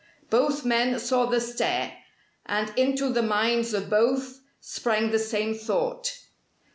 Both men saw the stare: and into the minds of both sprang the same thought.